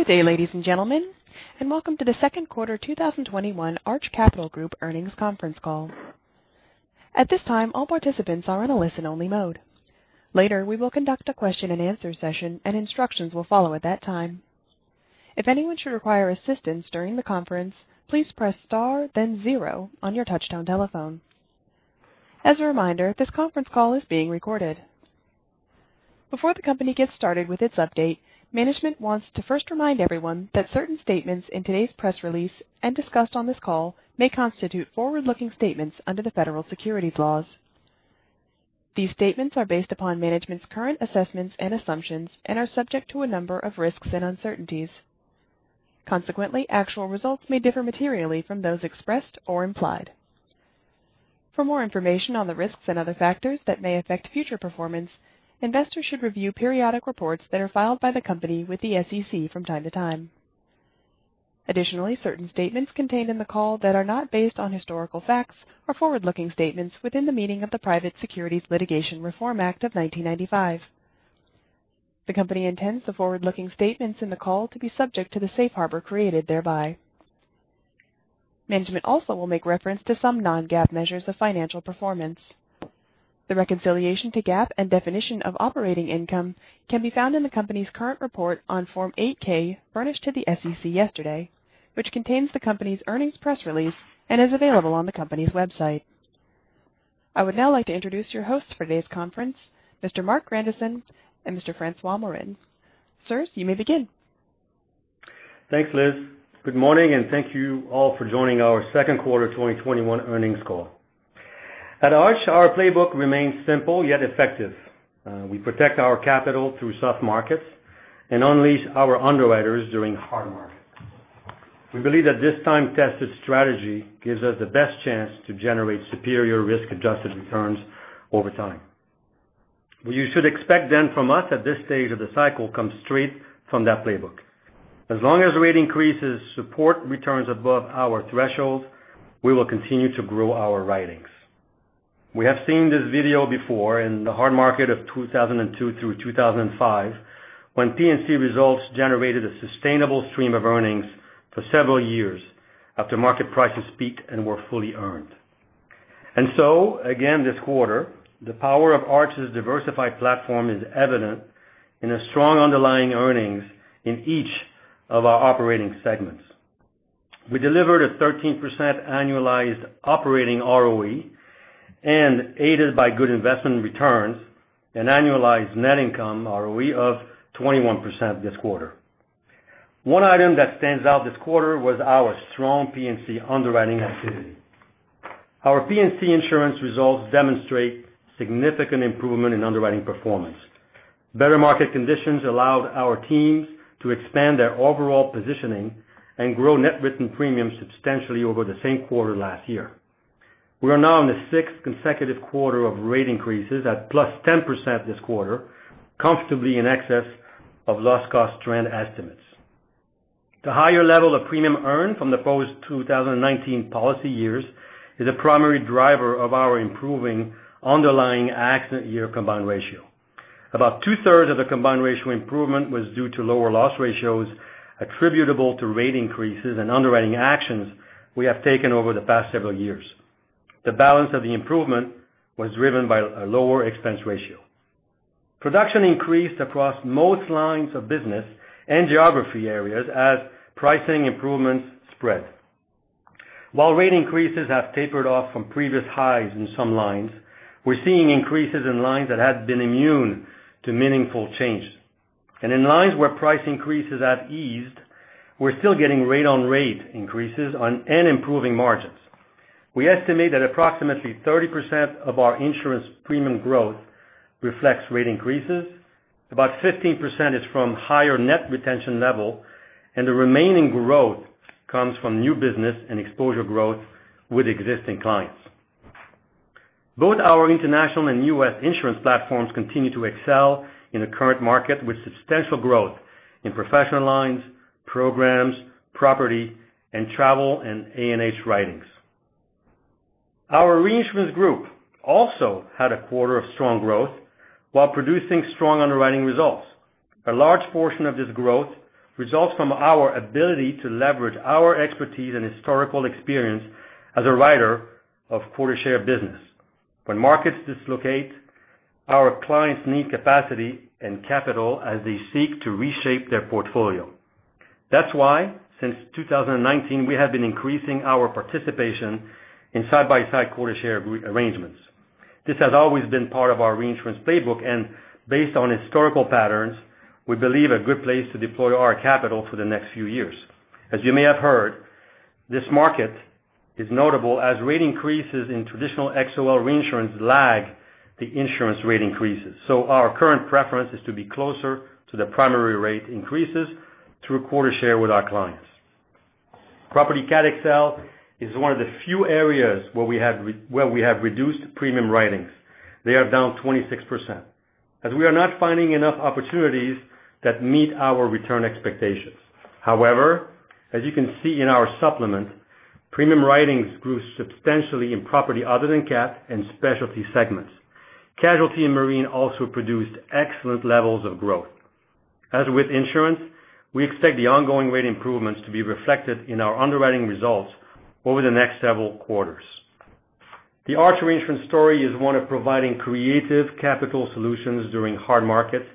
Good day, ladies and gentlemen, and welcome to the Second Quarter 2021 Arch Capital Group Earnings conference call. At this time, all participants are in a listen-only mode. Later, we will conduct a question and answer session and instructions will follow at that time. If anyone should require assistance during the conference, please press star then zero on your touchtone telephone. As a reminder, this conference call is being recorded. Before the company gets started with its update, management wants to first remind everyone that certain statements in today's press release and discussed on this call may constitute forward-looking statements under the federal securities laws. These statements are based upon management's current assessments and assumptions and are subject to a number of risks and uncertainties. Consequently, actual results may differ materially from those expressed or implied. For more information on the risks and other factors that may affect future performance, investors should review periodic reports that are filed by the company with the SEC from time to time. Additionally, certain statements contained in the call that are not based on historical facts are forward-looking statements within the meaning of the Private Securities Litigation Reform Act of 1995. The company intends the forward-looking statements in the call to be subject to the safe harbor created thereby. Management also will make reference to some non-GAAP measures of financial performance. The reconciliation to GAAP and definition of operating income can be found in the company's current report on Form 8-K furnished to the SEC yesterday, which contains the company's earnings press release and is available on the company's website. I would now like to introduce your hosts for today's conference, Mr. Marc Grandisson and Mr. François Morin. Sirs, you may begin. Thanks, Liz. Good morning, thank you all for joining our second quarter 2021 earnings call. At Arch, our playbook remains simple yet effective. We protect our capital through soft markets and unleash our underwriters during hard markets. We believe that this time-tested strategy gives us the best chance to generate superior risk-adjusted returns over time. What you should expect from us at this stage of the cycle comes straight from that playbook. As long as rate increases support returns above our threshold, we will continue to grow our writings. We have seen this video before in the hard market of 2002 through 2005, when P&C results generated a sustainable stream of earnings for several years after market prices peaked and were fully earned. Again this quarter, the power of Arch's diversified platform is evident in a strong underlying earnings in each of our operating segments. We delivered a 13% annualized operating ROE, and aided by good investment returns and annualized net income ROE of 21% this quarter. One item that stands out this quarter was our strong P&C underwriting activity. Our P&C insurance results demonstrate significant improvement in underwriting performance. Better market conditions allowed our teams to expand their overall positioning and grow net written premiums substantially over the same quarter last year. We are now in the sixth consecutive quarter of rate increases at +10% this quarter, comfortably in excess of loss cost trend estimates. The higher level of premium earned from the post-2019 policy years is a primary driver of our improving underlying accident year combined ratio. About two-thirds of the combined ratio improvement was due to lower loss ratios attributable to rate increases and underwriting actions we have taken over the past several years. The balance of the improvement was driven by a lower expense ratio. Production increased across most lines of business and geography areas as pricing improvements spread. While rate increases have tapered off from previous highs in some lines, we're seeing increases in lines that had been immune to meaningful change. In lines where price increases have eased, we're still getting rate on rate increases and improving margins. We estimate that approximately 30% of our insurance premium growth reflects rate increases, about 15% is from higher net retention level, and the remaining growth comes from new business and exposure growth with existing clients. Both our international and U.S. insurance platforms continue to excel in the current market, with substantial growth in professional lines, programs, property, and travel and A&H writings. Our reinsurance group also had a quarter of strong growth while producing strong underwriting results. A large portion of this growth results from our ability to leverage our expertise and historical experience as a writer of quarter share business. When markets dislocate, our clients need capacity and capital as they seek to reshape their portfolio. Since 2019, we have been increasing our participation in side-by-side quarter share arrangements. This has always been part of our reinsurance playbook, and based on historical patterns, we believe a good place to deploy our capital for the next few years. As you may have heard, this market is notable as rate increases in traditional XOL reinsurance lag the insurance rate increases. Our current preference is to be closer to the primary rate increases through quarter share with our clients. Property Cat XL is one of the few areas where we have reduced premium writings. They are down 26%, as we are not finding enough opportunities that meet our return expectations. However, as you can see in our supplement, premium writings grew substantially in property other than cat and specialty segments. Casualty and marine also produced excellent levels of growth. As with insurance, we expect the ongoing rate improvements to be reflected in our underwriting results over the next several quarters. The Arch Reinsurance story is one of providing creative capital solutions during hard markets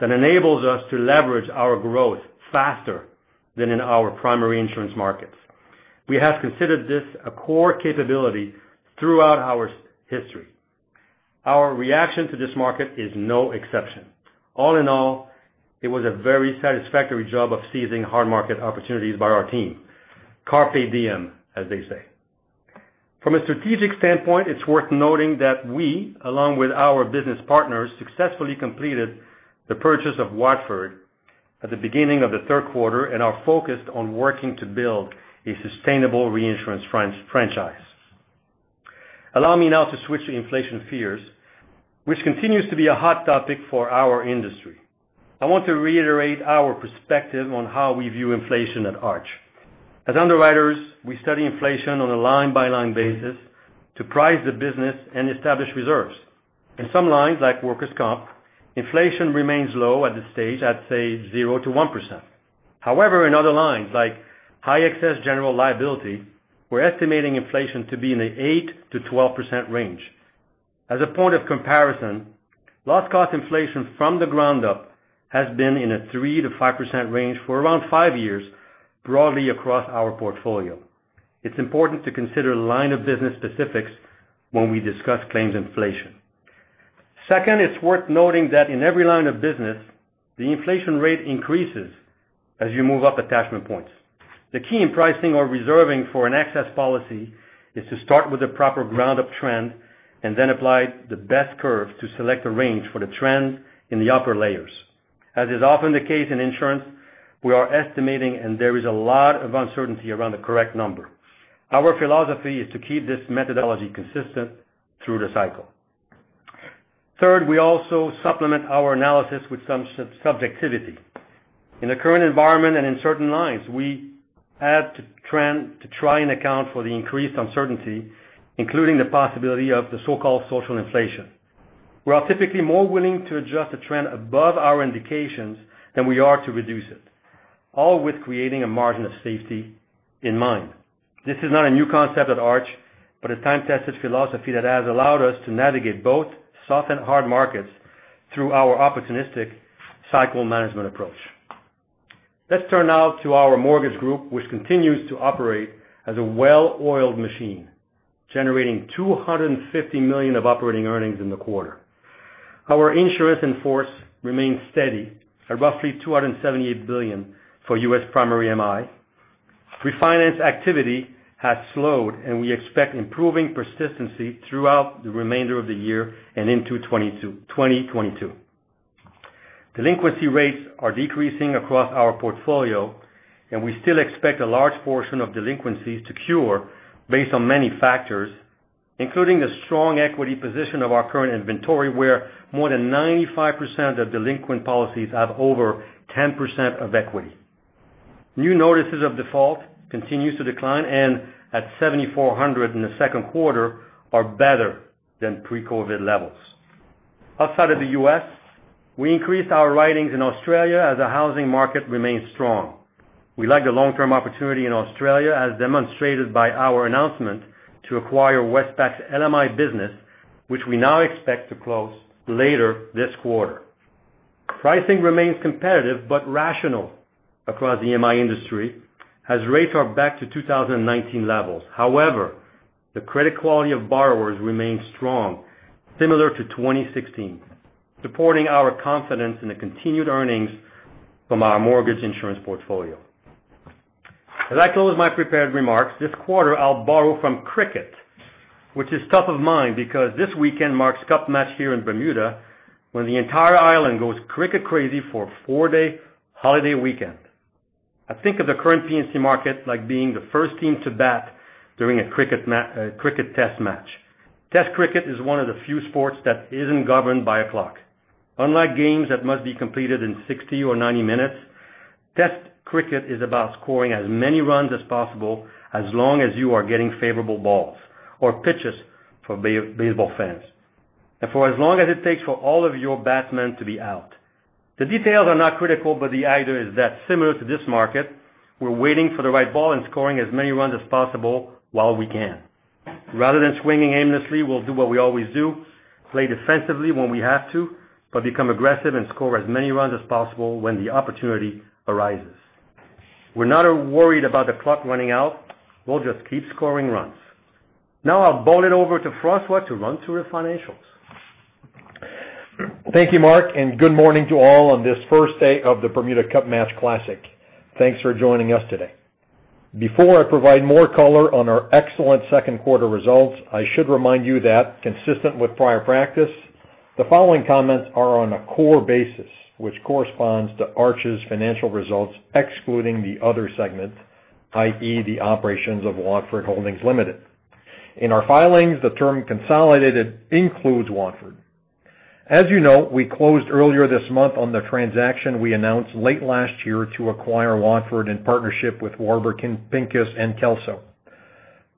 that enables us to leverage our growth faster than in our primary insurance markets. We have considered this a core capability throughout our history. Our reaction to this market is no exception. All in all, it was a very satisfactory job of seizing hard market opportunities by our team. Carpe diem, as they say. From a strategic standpoint, it's worth noting that we, along with our business partners, successfully completed the purchase of Watford at the beginning of the third quarter and are focused on working to build a sustainable reinsurance franchise. Allow me now to switch to inflation fears, which continues to be a hot topic for our industry. I want to reiterate our perspective on how we view inflation at Arch. As underwriters, we study inflation on a line-by-line basis to price the business and establish reserves. In some lines, like workers' comp, inflation remains low at this stage at, say, 0%-1%. However, in other lines, like high excess general liability, we're estimating inflation to be in the 8%-12% range. As a point of comparison, loss cost inflation from the ground up has been in a 3%-5% range for around five years, broadly across our portfolio. It's important to consider line of business specifics when we discuss claims inflation. Second, it's worth noting that in every line of business, the inflation rate increases as you move up attachment points. The key in pricing or reserving for an excess policy is to start with the proper ground-up trend and then apply the best curve to select a range for the trend in the upper layers. As is often the case in insurance, we are estimating, and there is a lot of uncertainty around the correct number. Our philosophy is to keep this methodology consistent through the cycle. Third, we also supplement our analysis with some subjectivity. In the current environment and in certain lines, we add to trend to try and account for the increased uncertainty, including the possibility of the so-called social inflation. We are typically more willing to adjust the trend above our indications than we are to reduce it, all with creating a margin of safety in mind. This is not a new concept at Arch, but a time-tested philosophy that has allowed us to navigate both soft and hard markets through our opportunistic cycle management approach. Let's turn now to our mortgage group, which continues to operate as a well-oiled machine, generating $250 million of operating earnings in the quarter. Our insurance in force remains steady at roughly $278 billion for U.S. primary MI. Refinance activity has slowed, and we expect improving persistency throughout the remainder of the year and into 2022. Delinquency rates are decreasing across our portfolio, and we still expect a large portion of delinquencies to cure based on many factors, including the strong equity position of our current inventory where more than 95% of delinquent policies have over 10% of equity. New notices of default continues to decline and, at 7,400 in the second quarter, are better than pre-COVID levels. Outside of the U.S., we increased our writings in Australia as the housing market remains strong. We like the long-term opportunity in Australia as demonstrated by our announcement to acquire Westpac's LMI business, which we now expect to close later this quarter. Pricing remains competitive, but rational across the MI industry as rates are back to 2019 levels. However, the credit quality of borrowers remains strong, similar to 2016, supporting our confidence in the continued earnings from our mortgage insurance portfolio. As I close my prepared remarks, this quarter I'll borrow from cricket, which is top of mind because this weekend marks Cup Match here in Bermuda, when the entire island goes cricket crazy for a four-day holiday weekend. I think of the current P&C market like being the first team to bat during a cricket test match. Test cricket is one of the few sports that isn't governed by a clock. Unlike games that must be completed in 60 or 90 minutes, test cricket is about scoring as many runs as possible as long as you are getting favorable balls or pitches for baseball fans. For as long as it takes for all of your batsmen to be out. The details are not critical, but the idea is that similar to this market, we're waiting for the right ball and scoring as many runs as possible while we can. Rather than swinging aimlessly, we'll do what we always do, play defensively when we have to, but become aggressive and score as many runs as possible when the opportunity arises. We're not worried about the clock running out. We'll just keep scoring runs. Now I'll bowl it over to François to run through the financials. Thank you, Marc, and good morning to all on this first day of the Bermuda Cup Match Classic. Thanks for joining us today. Before I provide more color on our excellent second quarter results, I should remind you that consistent with prior practice, the following comments are on a core basis, which corresponds to Arch's financial results excluding the other segment, i.e., the operations of Watford Holdings Limited. In our filings, the term consolidated includes Watford. As you know, we closed earlier this month on the transaction we announced late last year to acquire Watford in partnership with Warburg Pincus and Kelso.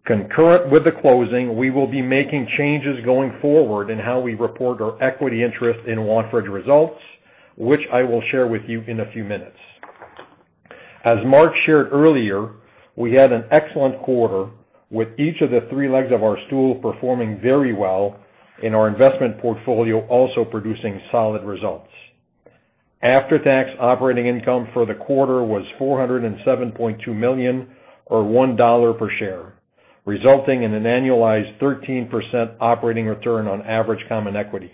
Concurrent with the closing, we will be making changes going forward in how we report our equity interest in Watford results, which I will share with you in a few minutes. As Marc shared earlier, we had an excellent quarter, with each of the three legs of our stool performing very well and our investment portfolio also producing solid results. After-tax operating income for the quarter was $407.2 million, or $1 per share, resulting in an annualized 13% operating return on average common equity.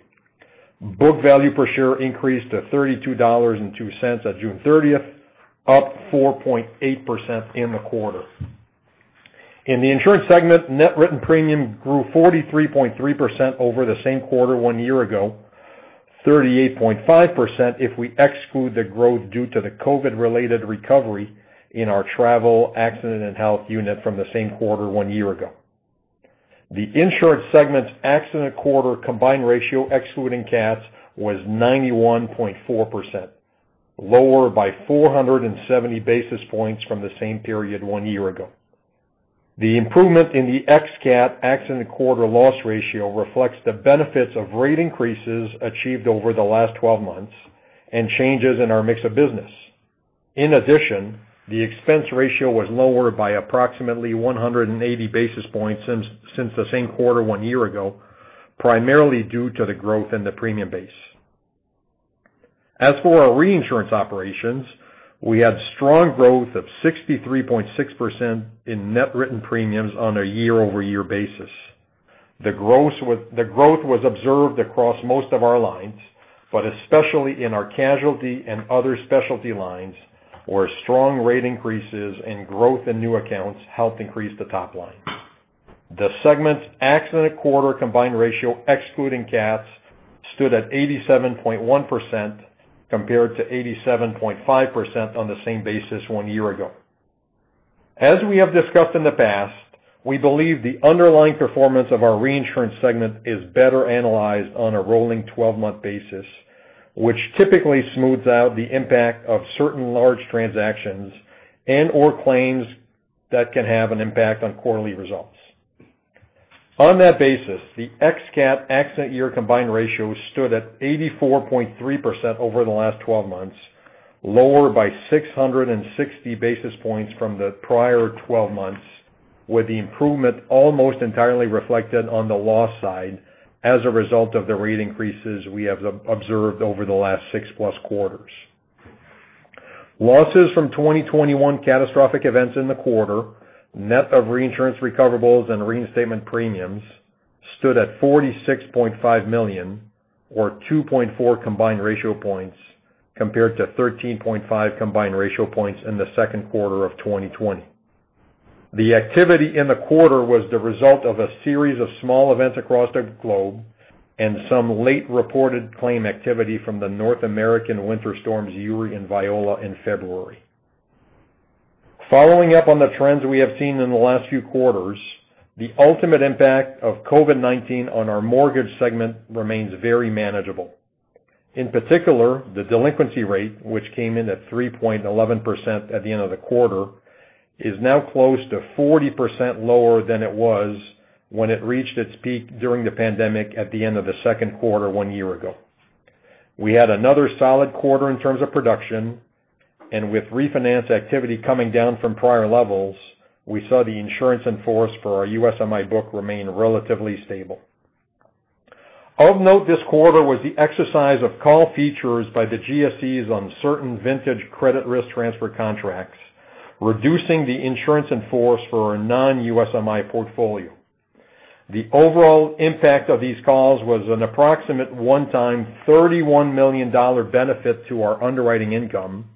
Book value per share increased to $32.02 at June 30th, up 4.8% in the quarter. In the insurance segment, net written premium grew 43.3% over the same quarter one year ago, 38.5% if we exclude the growth due to the COVID-related recovery in our travel, accident, and health unit from the same quarter one year ago. The insurance segment's accident quarter combined ratio, excluding CATs, was 91.4%, lower by 470 basis points from the same period one year ago. The improvement in the ex-CAT accident quarter loss ratio reflects the benefits of rate increases achieved over the last 12 months, and changes in our mix of business. In addition, the expense ratio was lower by approximately 180 basis points since the same quarter one year ago, primarily due to the growth in the premium base. As for our reinsurance operations, we had strong growth of 63.6% in net written premiums on a year-over-year basis. The growth was observed across most of our lines, but especially in our casualty and other specialty lines, where strong rate increases and growth in new accounts helped increase the top line. The segment's accident quarter combined ratio, excluding CATs, stood at 87.1%, compared to 87.5% on the same basis one year ago. As we have discussed in the past, we believe the underlying performance of our reinsurance segment is better analyzed on a rolling 12-month basis, which typically smooths out the impact of certain large transactions, and/or claims that can have an impact on quarterly results. On that basis, the ex-CAT accident year combined ratio stood at 84.3% over the last 12 months, lower by 660 basis points from the prior 12 months, with the improvement almost entirely reflected on the loss side as a result of the rate increases we have observed over the last 6+ quarters. Losses from 2021 catastrophic events in the quarter, net of reinsurance recoverables and reinstatement premiums, stood at $46.5 million, or 2.4 combined ratio points, compared to 13.5 combined ratio points in the second quarter of 2020. The activity in the quarter was the result of a series of small events across the globe and some late-reported claim activity from the North American winter storms Uri and Viola in February. Following up on the trends we have seen in the last few quarters, the ultimate impact of COVID-19 on our mortgage segment remains very manageable. In particular, the delinquency rate, which came in at 3.11% at the end of the quarter, is now close to 40% lower than it was when it reached its peak during the pandemic at the end of the second quarter one year ago. We had another solid quarter in terms of production, and with refinance activity coming down from prior levels, we saw the insurance in force for our USMI book remain relatively stable. Of note this quarter was the exercise of call features by the GSEs on certain vintage credit risk transfer contracts, reducing the insurance in force for our non-USMI portfolio. The overall impact of these calls was an approximate one-time $31 million benefit to our underwriting income,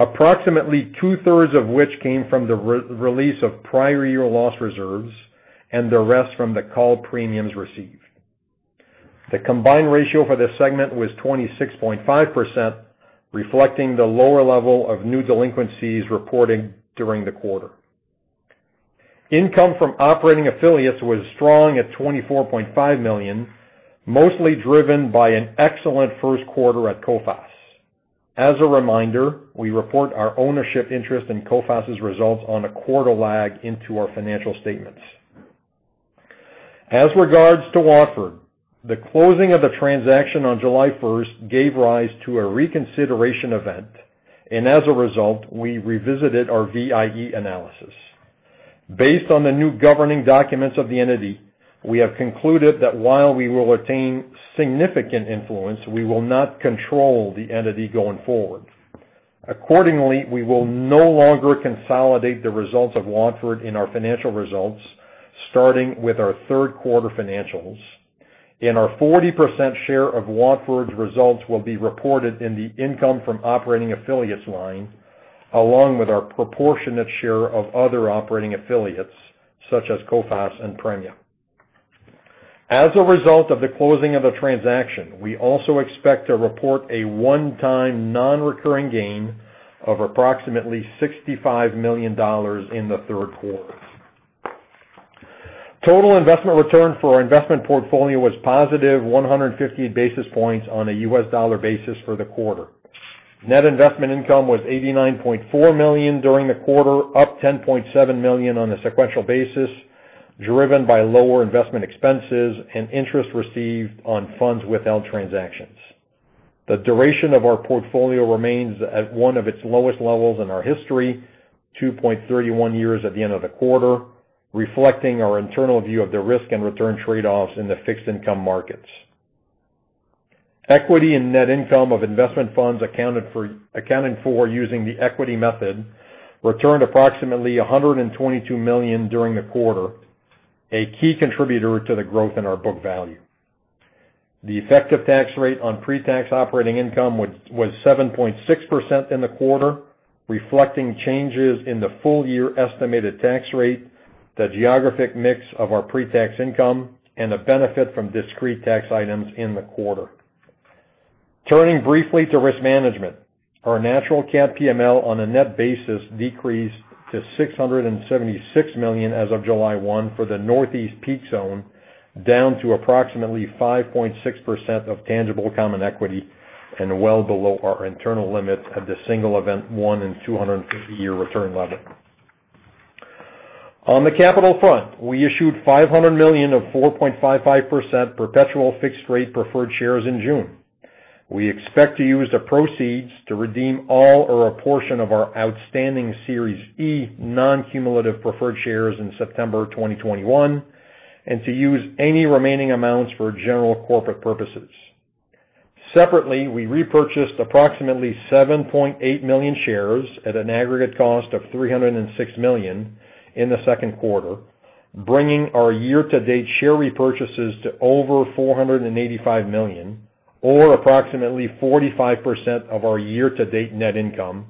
approximately two-thirds of which came from the release of prior-year loss reserves and the rest from the call premiums received. The combined ratio for this segment was 26.5%, reflecting the lower level of new delinquencies reported during the quarter. Income from operating affiliates was strong at $24.5 million, mostly driven by an excellent first quarter at Coface. As a reminder, we report our ownership interest in Coface's results on a quarter lag into our financial statements. As regards to Watford, the closing of the transaction on July 1st gave rise to a reconsideration event, and as a result, we revisited our VIE analysis. Based on the new governing documents of the entity, we have concluded that while we will retain significant influence, we will not control the entity going forward. Accordingly, we will no longer consolidate the results of Watford in our financial results, starting with our third quarter financials. Our 40% share of Watford's results will be reported in the income from operating affiliates line, along with our proportionate share of other operating affiliates, such as Coface and Premia. As a result of the closing of the transaction, we also expect to report a one-time, non-recurring gain of approximately $65 million in the third quarter. Total investment return for our investment portfolio was +150 basis points on a U.S. dollar basis for the quarter. Net investment income was $89.4 million during the quarter, up $10.7 million on a sequential basis, driven by lower investment expenses and interest received on funds without transactions. The duration of our portfolio remains at one of its lowest levels in our history, 2.31 years at the end of the quarter, reflecting our internal view of the risk and return trade-offs in the fixed income markets. Equity and net income of investment funds accounted for using the equity method returned approximately $122 million during the quarter, a key contributor to the growth in our book value. The effective tax rate on pre-tax operating income was 7.6% in the quarter, reflecting changes in the full-year estimated tax rate, the geographic mix of our pre-tax income, and the benefit from discrete tax items in the quarter. Turning briefly to risk management. Our natural CAT PML, on a net basis, decreased to $676 million as of July 1 for the Northeast peak zone, down to approximately 5.6% of tangible common equity and well below our internal limits at the single event one in 250-year return level. On the capital front, we issued $500 million of 4.55% perpetual fixed-rate preferred shares in June. We expect to use the proceeds to redeem all or a portion of our outstanding Series E non-cumulative preferred shares in September 2021, and to use any remaining amounts for general corporate purposes. Separately, we repurchased approximately 7.8 million shares at an aggregate cost of $306 million in the second quarter, bringing our year-to-date share repurchases to over $485 million, or approximately 45% of our year-to-date net income,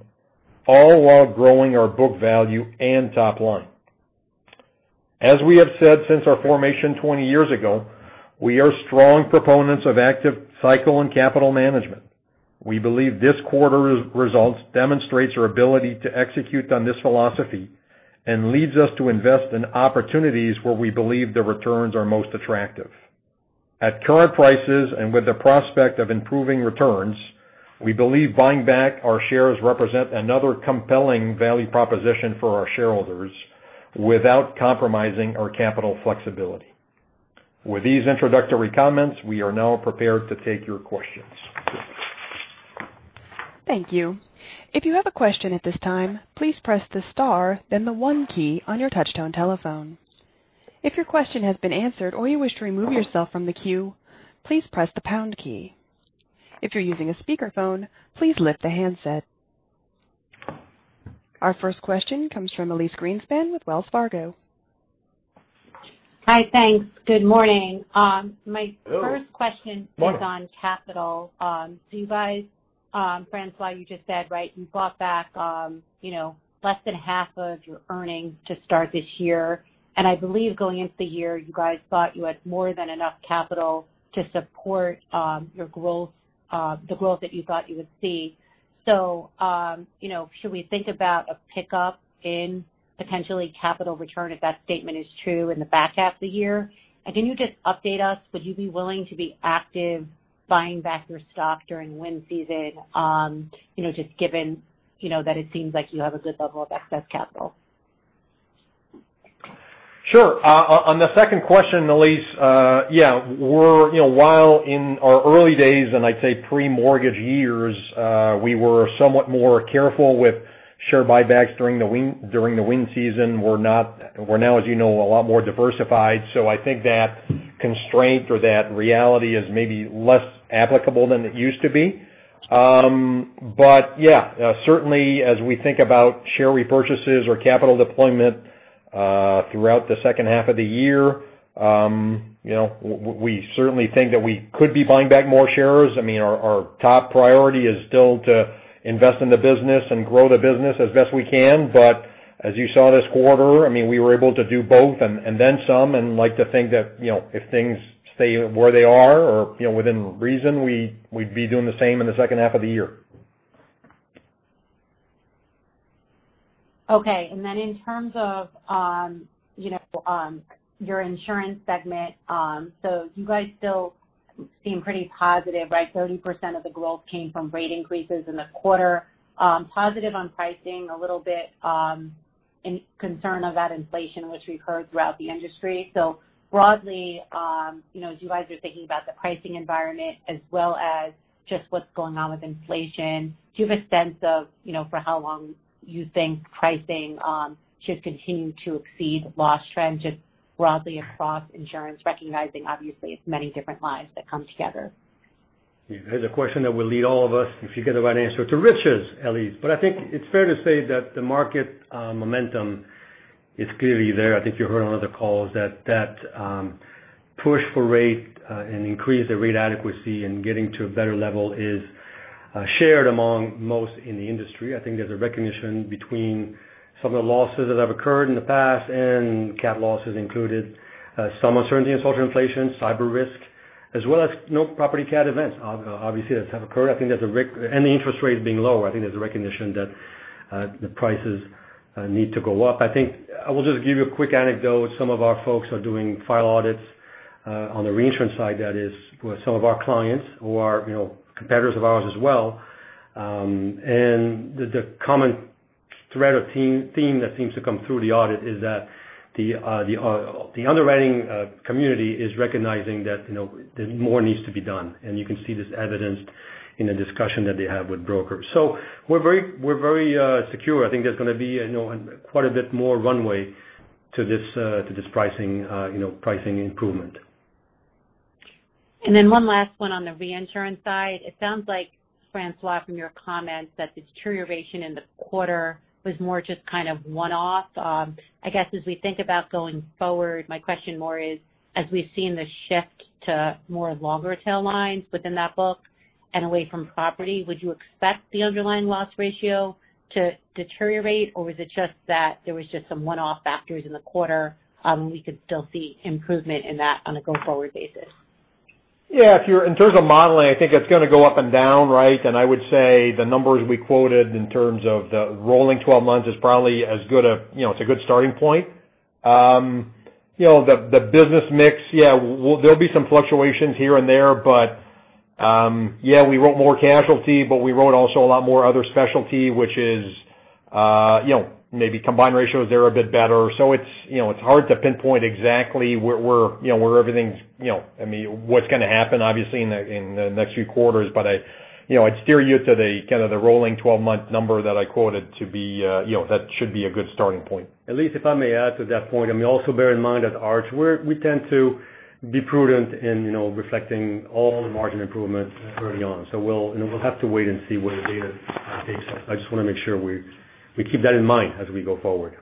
all while growing our book value and top line. As we have said since our formation 20 years ago, we are strong proponents of active cycle and capital management. We believe this quarter's results demonstrates our ability to execute on this philosophy and leads us to invest in opportunities where we believe the returns are most attractive. At current prices and with the prospect of improving returns, we believe buying back our shares represent another compelling value proposition for our shareholders without compromising our capital flexibility. With these introductory comments, we are now prepared to take your questions. Thank you. If you have a question at this time, please press the star then the one key on your touch-tone telephone. If your question has been answered or you wish to remove yourself from the queue, please press the pound key. If you're using a speakerphone, please lift the handset. Our first question comes from Elyse Greenspan with Wells Fargo. Hi, thanks. Good morning. Hello. My first question Morning. is on capital. You guys, François, you just said, you bought back less than half of your earnings to start this year. I believe going into the year, you guys thought you had more than enough capital to support the growth that you thought you would see. Should we think about a pickup in potentially capital return if that statement is true in the back half of the year? Can you just update us, would you be willing to be active buying back your stock during wind season just given that it seems like you have a good level of excess capital? Sure. On the second question, Elyse, while in our early days, and I'd say pre-mortgage years, we were somewhat more careful with share buybacks during the wind season. We're now, as you know, a lot more diversified. I think that constraint or that reality is maybe less applicable than it used to be. Yeah, certainly as we think about share repurchases or capital deployment throughout the second half of the year, we certainly think that we could be buying back more shares. Our top priority is still to invest in the business and grow the business as best we can. As you saw this quarter, we were able to do both and then some, and like to think that if things stay where they are or within reason, we'd be doing the same in the second half of the year. Okay. In terms of your insurance segment, you guys still seem pretty positive, right? 30% of the growth came from rate increases in the quarter. Positive on pricing, a little bit concern about inflation, which we've heard throughout the industry. Broadly, as you guys are thinking about the pricing environment as well as just what's going on with inflation, do you have a sense of for how long you think pricing should continue to exceed loss trends just broadly across insurance, recognizing obviously it's many different lines that come together? It's a question that will lead all of us, if you get the right answer, to riches, Elyse. I think it's fair to say that the market momentum is clearly there. I think you heard on other calls that push for rate and increase the rate adequacy and getting to a better level is shared among most in the industry. I think there's a recognition between some of the losses that have occurred in the past and cat losses included some uncertainty in social inflation, cyber risk as well as no property cat events. Obviously, that's never occurred. I think there's a risk. The interest rates being lower, I think there's a recognition that the prices need to go up. I think I will just give you a quick anecdote. Some of our folks are doing file audits on the reinsurance side, that is, with some of our clients who are competitors of ours as well. The common thread or theme that seems to come through the audit is that the underwriting community is recognizing that more needs to be done, and you can see this evidenced in the discussion that they have with brokers. We're very secure. I think there's going to be quite a bit more runway to this pricing improvement. One last one on the reinsurance side. It sounds like, François, from your comments that the deterioration in the quarter was more just kind of one-off. I guess as we think about going forward, my question more is, as we've seen the shift to more longer tail lines within that book and away from property, would you expect the underlying loss ratio to deteriorate, or was it just that there was just some one-off factors in the quarter and we could still see improvement in that on a go-forward basis? Yeah, in terms of modeling, I think it's going to go up and down, right? I would say the numbers we quoted in terms of the rolling 12 months is probably as good a starting point. The business mix, yeah, there'll be some fluctuations here and there. Yeah, we wrote more casualty, but we wrote also a lot more other specialty, which is maybe combined ratios there are a bit better. It's hard to pinpoint exactly what's going to happen, obviously, in the next few quarters. I'd steer you to the kind of the rolling 12-month number that I quoted, that should be a good starting point. Elyse, if I may add to that point, also bear in mind at Arch, we tend to be prudent in reflecting all the margin improvements early on. We'll have to wait and see where the data takes us. I just want to make sure we keep that in mind as we go forward.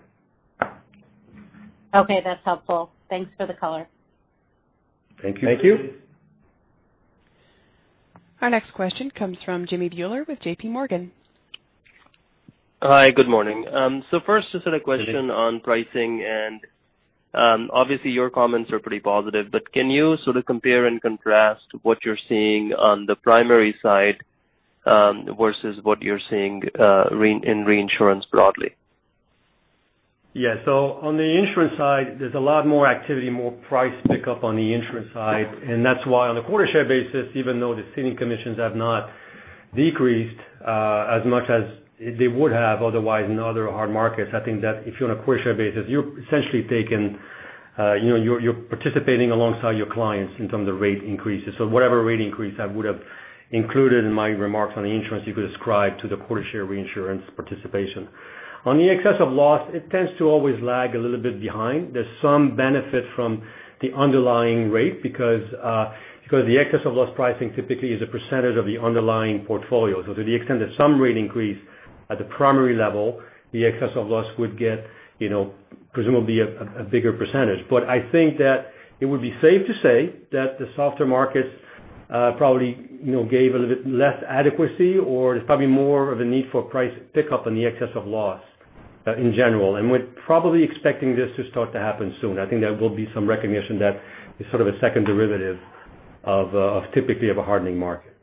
Okay. That's helpful. Thanks for the color. Thank you. Thank you. Our next question comes from Jimmy Bhullar with JPMorgan. Hi. Good morning. First, just had a question on pricing, and obviously your comments are pretty positive, but can you sort of compare and contrast what you're seeing on the primary side versus what you're seeing in reinsurance broadly? Yeah. On the insurance side, there's a lot more activity, more price pickup on the insurance side, and that's why on a quarter share basis, even though the ceding commissions have not decreased as much as they would have otherwise in other hard markets, I think that if you're on a quarter share basis, you're participating alongside your clients in terms of rate increases. Whatever rate increase I would've included in my remarks on the insurance you could ascribe to the quarter share reinsurance participation. On the excess of loss, it tends to always lag a little bit behind. There's some benefit from the underlying rate because the excess of loss pricing typically is a percentage of the underlying portfolio. To the extent that some rate increase at the primary level, the excess of loss would get presumably a bigger percentage. I think that it would be safe to say that the softer markets probably gave a little bit less adequacy, or there's probably more of a need for price pickup on the excess of loss in general. We're probably expecting this to start to happen soon. I think there will be some recognition that it's sort of a second derivative of typically of a hardening market.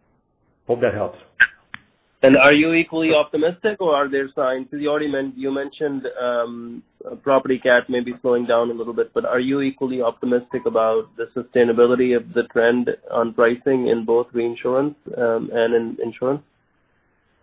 Hope that helps. Are you equally optimistic, or are there signs? You mentioned property cat may be slowing down a little bit, but are you equally optimistic about the sustainability of the trend on pricing in both reinsurance and in insurance?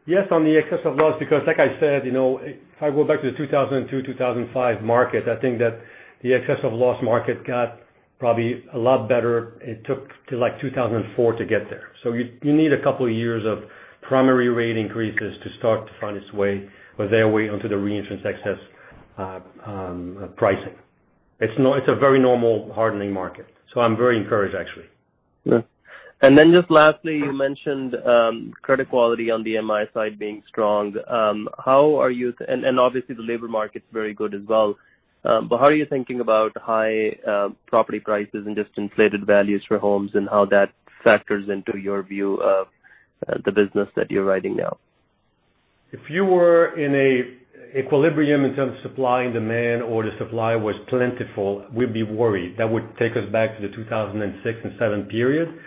Yes, on the excess of loss, because like I said, if I go back to the 2002, 2005 market, I think that the excess of loss market got probably a lot better. It took till like 2004 to get there. You need a couple years of primary rate increases to start to find its way or their way onto the reinsurance excess pricing. It's a very normal hardening market, so I'm very encouraged, actually. Yeah. Then just lastly, you mentioned credit quality on the MI side being strong. Obviously the labor market's very good as well. How are you thinking about high property prices and just inflated values for homes and how that factors into your view of the business that you're writing now? If you were in an equilibrium in terms of supply and demand or the supply was plentiful, we'd be worried. That would take us back to the 2006 and 2007 period.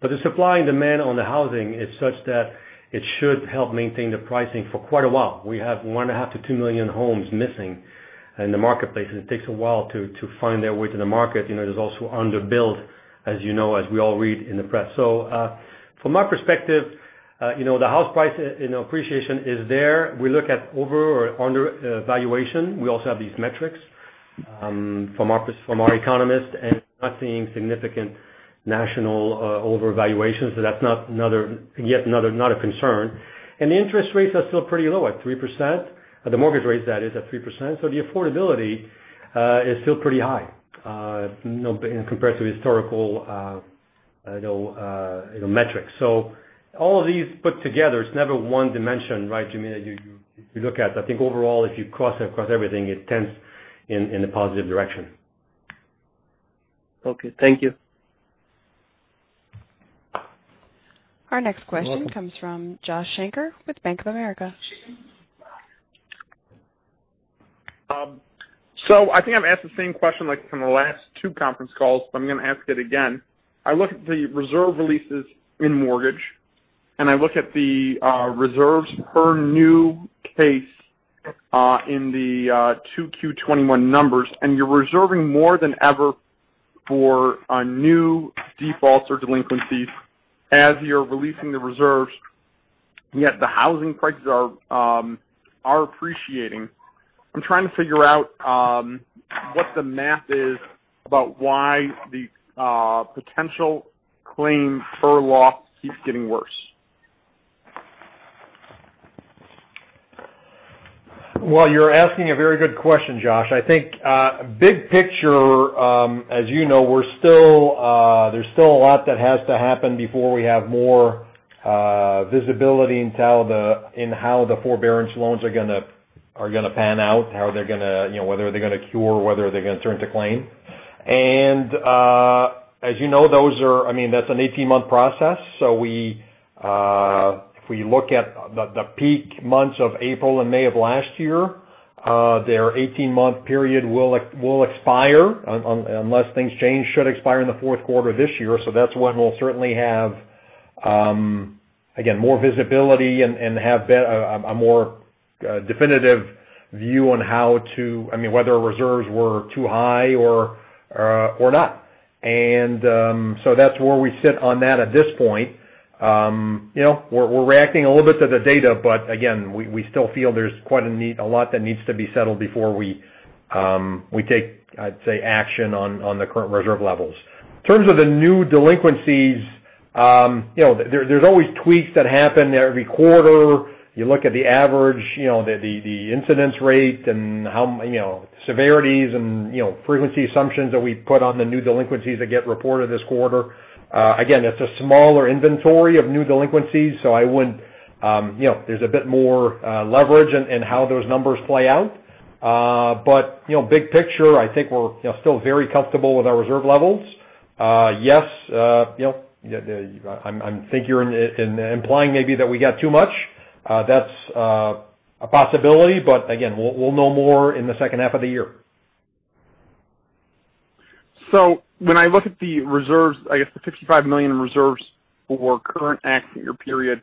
The supply and demand on the housing is such that it should help maintain the pricing for quite a while. We have 1.5 million-2 million homes missing in the marketplace, and it takes a while to find their way to the market. There's also underbuild, as you know, as we all read in the press. From my perspective, the house price appreciation is there. We look at over or undervaluation. We also have these metrics from our economists and not seeing significant national overvaluations. That's yet not a concern. The interest rates are still pretty low at 3%, the mortgage rates, that is, at 3%, so the affordability is still pretty high compared to historical metrics. All of these put together, it's never one dimension, right, Jimmy, that you look at. I think overall, if you cross everything, it tends in a positive direction. Okay. Thank you. Our next question comes from Josh Shanker with Bank of America. I think I've asked the same question from the last two conference calls, but I'm going to ask it again. I look at the reserve releases in mortgage, I look at the reserves per new case in the 2Q 2021 numbers. You're reserving more than ever for new defaults or delinquencies as you're releasing the reserves, yet the housing prices are appreciating. I'm trying to figure out what the math is about why the potential claim per loss keeps getting worse? You're asking a very good question, Josh. I think big picture, as you know, there's still a lot that has to happen before we have more visibility in how the forbearance loans are going to pan out. Whether they're going to cure, or whether they're going to turn to claim. As you know, that's an 18-month process. If we look at the peak months of April and May of last year, their 18-month period will expire, unless things change, should expire in the fourth quarter of this year. That's when we'll certainly have, again, more visibility and have a more definitive view on whether our reserves were too high or not. That's where we sit on that at this point. We're reacting a little bit to the data. Again, we still feel there's quite a lot that needs to be settled before we take, I'd say, action on the current reserve levels. In terms of the new delinquencies, there's always tweaks that happen every quarter. You look at the average, the incidence rate, and severities and frequency assumptions that we put on the new delinquencies that get reported this quarter. Again, it's a smaller inventory of new delinquencies. There's a bit more leverage in how those numbers play out. Big picture, I think we're still very comfortable with our reserve levels. Yes, I think you're implying maybe that we got too much. That's a possibility. Again, we'll know more in the second half of the year. When I look at the reserves, I guess the $55 million in reserves for current accident year period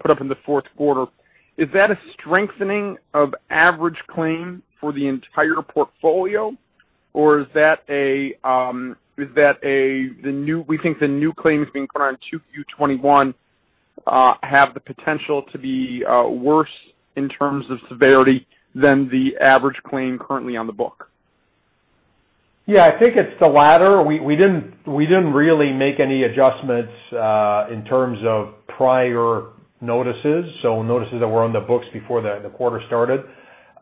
put up in the fourth quarter, is that a strengthening of average claim for the entire portfolio, or is that we think the new claims being put on 2Q21 have the potential to be worse in terms of severity than the average claim currently on the book? I think it's the latter. We didn't really make any adjustments in terms of prior notices. Notices that were on the books before the quarter started.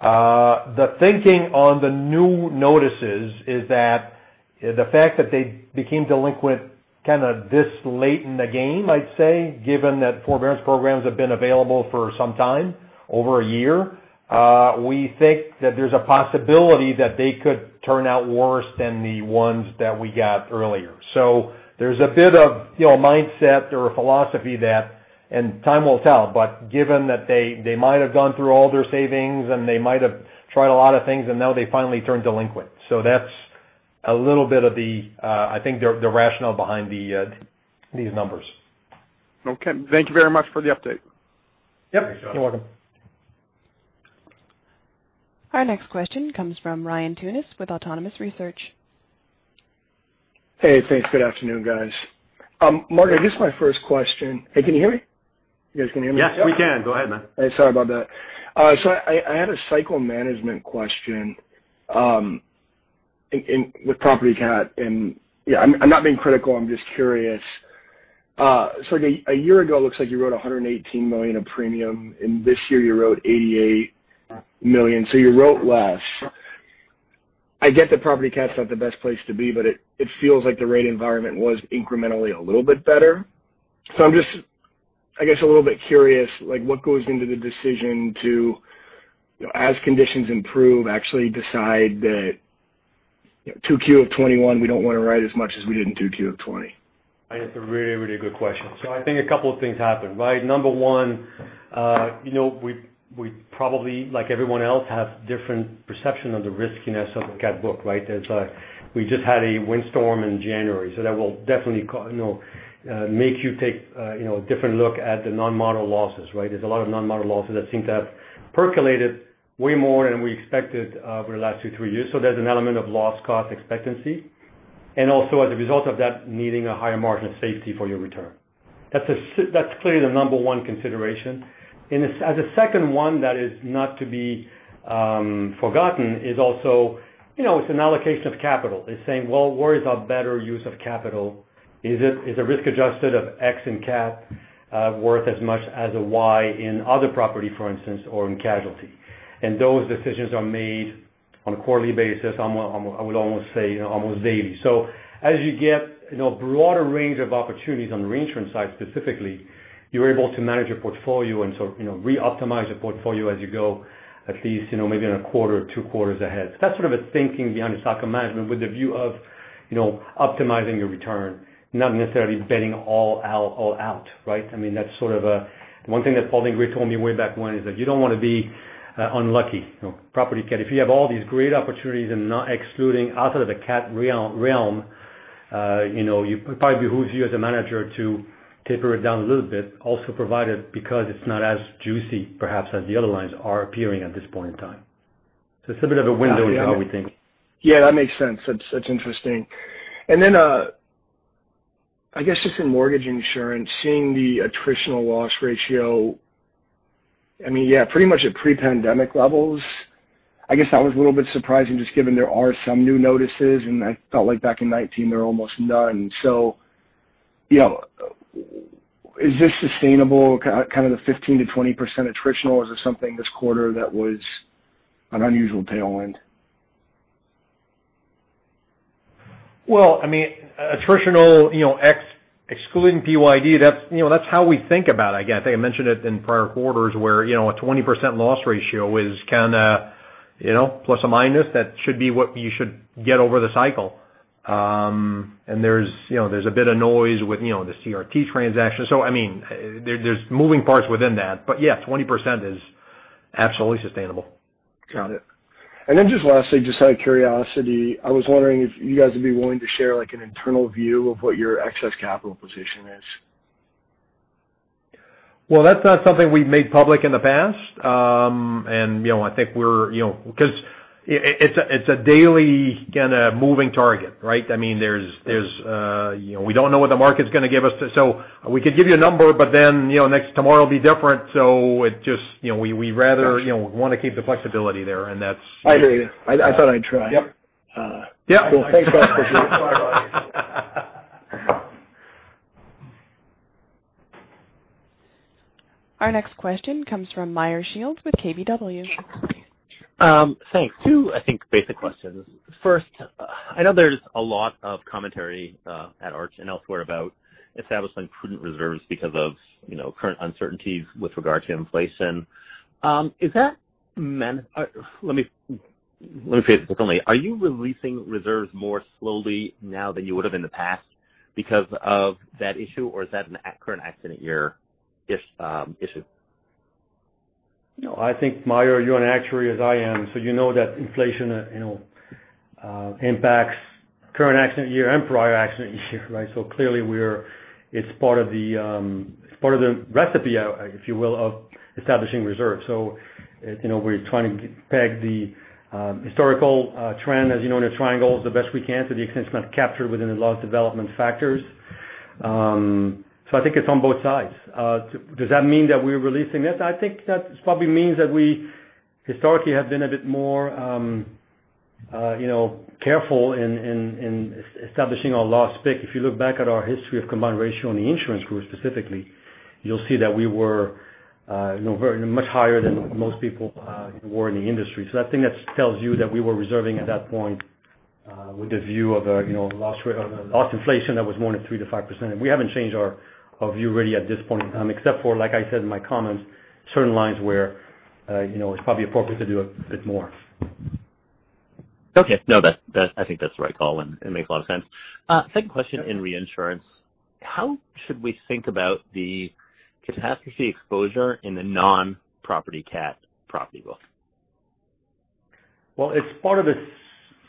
The thinking on the new notices is that the fact that they became delinquent kind of this late in the game, I'd say, given that forbearance programs have been available for some time, over a year, we think that there's a possibility that they could turn out worse than the ones that we got earlier. There's a bit of mindset or philosophy that, and time will tell, but given that they might have gone through all their savings, and they might have tried a lot of things, and now they finally turn delinquent. That's a little bit of the, I think, the rationale behind these numbers. Okay. Thank you very much for the update. Yep. You're welcome. Our next question comes from Ryan Tunis with Autonomous Research. Hey, thanks. Good afternoon, guys. Marc, this is my first question. Hey, can you hear me? You guys can hear me? Yes, we can. Go ahead, man. Sorry about that. I had a cycle management question with Property CAT, and, yeah, I'm not being critical, I'm just curious. Like a year ago, looks like you wrote $118 million of premium, and this year you wrote $88 million. You wrote less. I get that Property CAT's not the best place to be, but it feels like the rate environment was incrementally a little bit better. I'm just, I guess, a little bit curious, what goes into the decision to, as conditions improve, actually decide that 2Q of 2021, we don't want to write as much as we did in 2Q of 2020? That's a really good question. I think a couple of things happened, right? Number one, we probably, like everyone else, have different perception of the riskiness of the CAT book, right? We just had a windstorm in January, that will definitely make you take a different look at the non-model losses, right? There's a lot of non-model losses that seem to have percolated way more than we expected over the last two, three years. There's an element of loss cost expectancy. Also as a result of that, needing a higher margin of safety for your return. That's clearly the number one consideration. As a second one that is not to be forgotten is also, it's an allocation of capital. It's saying, well, where is our better use of capital? Is a risk adjusted of X in CAT worth as much as a Y in other property, for instance, or in casualty. Those decisions are made on a quarterly basis, I would almost say almost daily. As you get a broader range of opportunities on the reinsurance side specifically, you're able to manage your portfolio and reoptimize your portfolio as you go, at least maybe on one quarter or two quarters ahead. That's sort of a thinking behind the cycle management with the view of You know, optimizing your return, not necessarily betting all out, right? I mean, that's sort of a one thing that Paul Ingrey told me way back when is that you don't want to be unlucky. Property cat, if you have all these great opportunities and not excluding outside of the CAT realm, it probably behooves you as a manager to taper it down a little bit, also provided because it's not as juicy, perhaps, as the other lines are appearing at this point in time. It's a bit of a window into how we think. Yeah, that makes sense. That's interesting. I guess just in mortgage insurance, seeing the attritional loss ratio, I mean, yeah, pretty much at pre-pandemic levels. I guess that was a little bit surprising just given there are some new notices, and I felt like back in 2019 there were almost none. Is this sustainable, kind of the 15%-20% attritional, or is it something this quarter that was an unusual tailwind? Well, I mean, attritional, excluding PYD, that's how we think about it, I guess. I think I mentioned it in prior quarters where, a 20% loss ratio is kind of a plus or minus. That should be what you should get over the cycle. There's a bit of noise with the CRT transaction. I mean, there's moving parts within that. Yeah, 20% is absolutely sustainable. Got it. Just lastly, just out of curiosity, I was wondering if you guys would be willing to share like an internal view of what your excess capital position is. Well, that's not something we've made public in the past. It's a daily moving target, right? I mean, we don't know what the market's going to give us. We could give you a number, tomorrow will be different. We want to keep the flexibility there. I hear you. I thought I'd try. Yep. Well, thanks guys, appreciate it. Our next question comes from Meyer Shields with KBW. Thanks. Two, I think, basic questions. First, I know there's a lot of commentary at Arch and elsewhere about establishing prudent reserves because of current uncertainties with regard to inflation. Let me phrase it differently. Are you releasing reserves more slowly now than you would've in the past because of that issue? Is that a current accident year issue? No, I think, Meyer, you're an actuary as I am, so you know that inflation impacts current accident year and prior accident year, right? Clearly it's part of the recipe, if you will, of establishing reserves. We're trying to peg the historical trend as you know in a triangle as best we can, so the extent it's not captured within the loss development factors. I think it's on both sides. Does that mean that we're releasing it? I think that probably means that we historically have been a bit more careful in establishing our loss pick. If you look back at our history of combined ratio on the insurance group specifically, you'll see that we were much higher than most people were in the industry. I think that tells you that we were reserving at that point with a view of a loss inflation that was more than 3%-5%. We haven't changed our view really at this point except for, like I said in my comments, certain lines where it's probably appropriate to do a bit more. Okay. No, I think that's the right call, and it makes a lot of sense. Second question in reinsurance. How should we think about the catastrophe exposure in the non-property cat property book? Well, it's part of the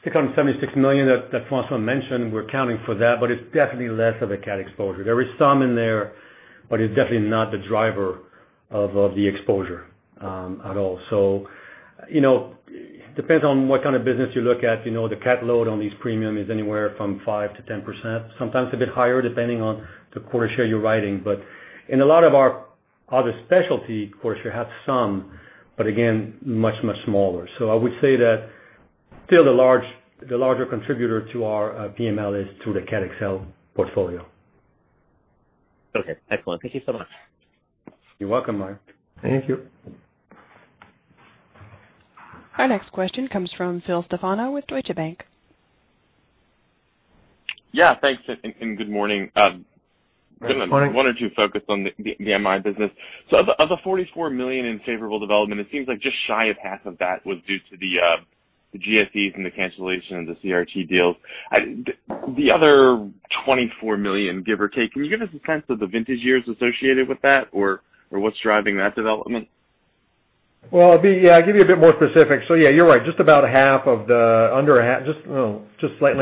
$676 million that François mentioned. We're accounting for that, it's definitely less of a CAT exposure. There is some in there, it's definitely not the driver of the exposure at all. Depends on what kind of business you look at. The CAT load on these premium is anywhere from 5%-10%, sometimes a bit higher, depending on the quarter share you're writing. In a lot of our other specialty, of course, you have some, but again, much, much smaller. I would say that still the larger contributor to our PML is through the Cat XL portfolio. Okay, excellent. Thank you so much. You're welcome, Meyer. Thank you. Our next question comes from Phil Stefano with Deutsche Bank. Yeah, thanks, good morning. Good morning. I wanted to focus on the MI business. Of the $44 million in favorable development, it seems like just shy of half of that was due to the GSEs and the cancellation of the CRT deals. The other $24 million, give or take, can you give us a sense of the vintage years associated with that or what's driving that development? Well, I'll give you a bit more specifics. Yeah, you're right. Just slightly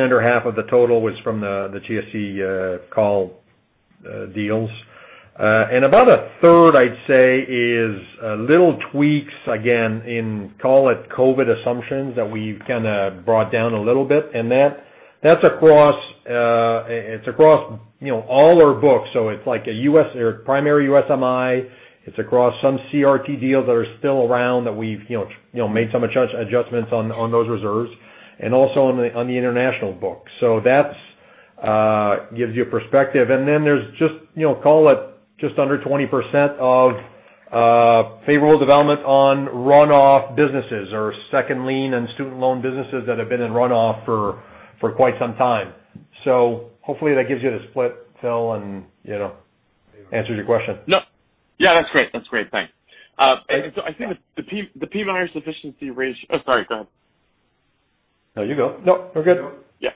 under half of the total was from the GSE call deals. About a third, I'd say, is little tweaks, again, in call it COVID assumptions that we've kind of brought down a little bit. That's across all our books. It's like a primary USMI. It's across some CRT deals that are still around that we've made some adjustments on those reserves, and also on the international books. That gives you a perspective, and then there's just call it just under 20% of favorable development on runoff businesses or second lien and student loan businesses that have been in runoff for quite some time. Hopefully that gives you the split, Phil. Answers your question? No. Yeah, that's great. Thanks. I think the PMIERs sufficiency ratio. Oh, sorry, go ahead. No, you go. No, we're good. Yeah.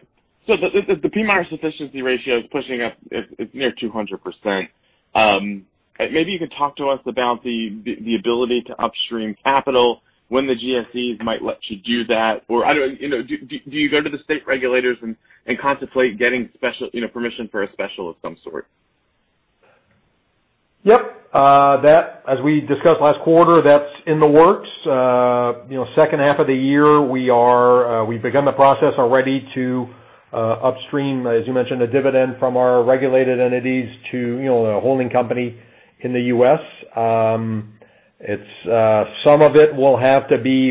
The PMIERs sufficiency ratio is pushing up. It's near 200%. Maybe you could talk to us about the ability to upstream capital, when the GSEs might let you do that, or, I don't know, do you go to the state regulators and contemplate getting permission for a special of some sort? Yep. As we discussed last quarter, that's in the works. Second half of the year, we've begun the process already to upstream, as you mentioned, the dividend from our regulated entities to a holding company in the U.S. Some of it will have to be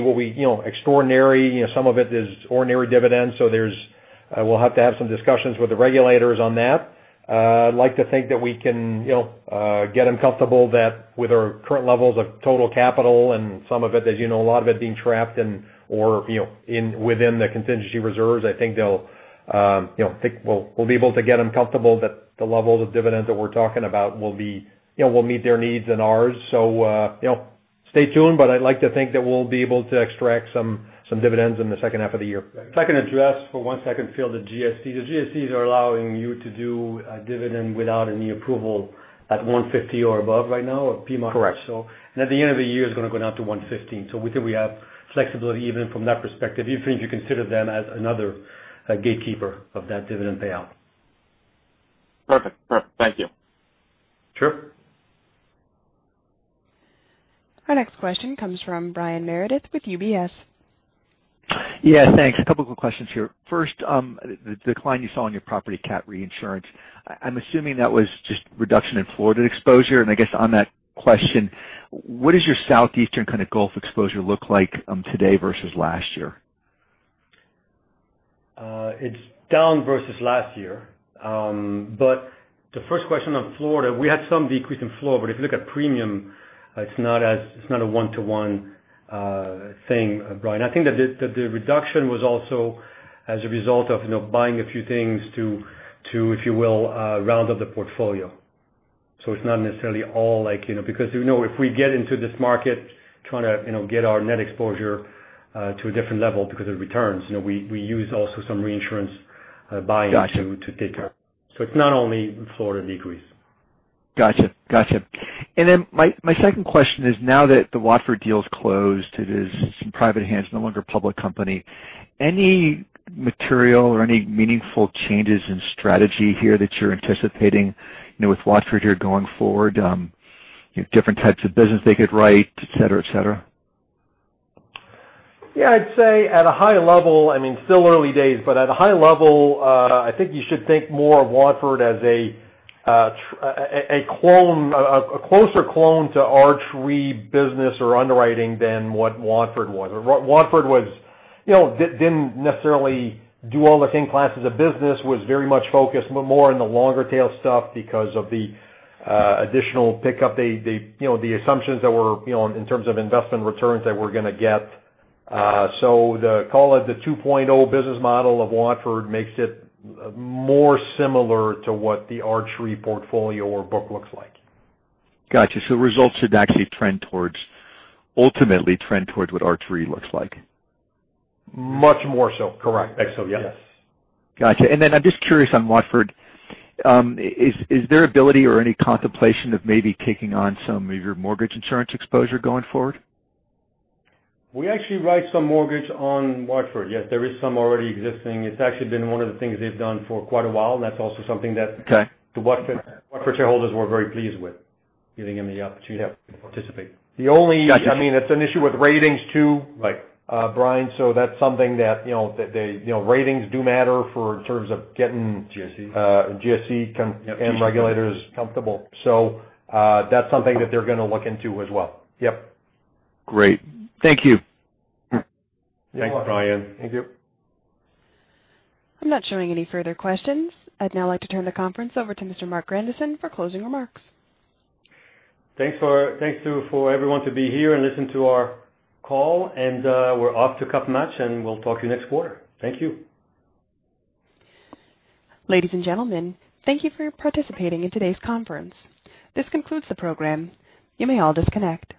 extraordinary. Some of it is ordinary dividends. We'll have to have some discussions with the regulators on that. I'd like to think that we can get them comfortable that with our current levels of total capital and some of it, as you know, a lot of it being trapped in, or within the contingency reserves, I think we'll be able to get them comfortable that the levels of dividends that we're talking about will meet their needs and ours. Stay tuned, but I'd like to think that we'll be able to extract some dividends in the second half of the year. If I can address for one second, Phil, the GSEs. The GSEs are allowing you to do a dividend without any approval at 150% or above right now of PMIERs ratio. Correct. At the end of the year, it's going to go down to 115%. We have flexibility even from that perspective, even if you consider them as another gatekeeper of that dividend payout. Perfect. Thank you. Sure. Our next question comes from Brian Meredith with UBS. Yeah, thanks. A couple of quick questions here. First, the decline you saw on your property CAT reinsurance, I'm assuming that was just reduction in Florida exposure. I guess on that question, what does your southeastern kind of Gulf exposure look like today versus last year? It's down versus last year. The first question on Florida, we had some decrease in Florida, but if you look at premium, it's not a one-to-one thing, Brian. I think that the reduction was also as a result of buying a few things to, if you will, round up the portfolio. It's not necessarily all like, because if we get into this market trying to get our net exposure to a different level because of returns, we use also some reinsurance buying to take that. Got you. It's not only Florida decrease. Got you. My second question is, now that the Watford deal is closed, it is in private hands, no longer a public company, any material or any meaningful changes in strategy here that you're anticipating, with Watford here going forward, different types of business they could write, et cetera? Yeah, I'd say at a high level, I mean, still early days, but at a high level, I think you should think more of Watford as a closer clone to Arch Re business or underwriting than what Watford was. Watford didn't necessarily do all the same classes of business, was very much focused more on the longer tail stuff because of the additional pickup, the assumptions that were, in terms of investment returns that we're going to get. Call it the 2.0 business model of Watford makes it more similar to what the Arch Re portfolio or book looks like. Got you. Results should actually ultimately trend towards what Arch Re looks like. Much more so. Correct. Excellent. Yeah. Got you. I'm just curious on Watford, is there ability or any contemplation of maybe taking on some of your mortgage insurance exposure going forward? We actually write some mortgage on Watford. Yes, there is some already existing. It's actually been one of the things they've done for quite a while. Okay. That's also something that the Watford shareholders were very pleased with, giving them the opportunity to participate. The only- Got you. I mean, it's an issue with ratings too. Right. Brian, that's something that, ratings do matter for in terms of getting. GSE. GSE and regulators comfortable. That's something that they're going to look into as well. Yep. Great. Thank you. You're welcome. Thanks, Brian. Thank you. I'm not showing any further questions. I'd now like to turn the conference over to Mr. Marc Grandisson for closing remarks. Thanks for everyone to be here and listen to our call. We're off to Cup Match, and we'll talk to you next quarter. Thank you. Ladies and gentlemen, thank you for participating in today's conference. This concludes the program. You may all disconnect.